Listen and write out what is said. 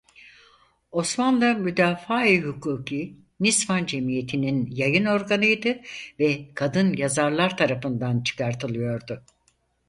Osmanlı Müdafaa-i Hukuk-ı Nisvan Cemiyeti'nin yayın organıydı ve kadın yazarlar tarafından çıkartılıyordu.